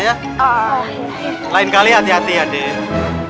malik tidak kenal dengan saya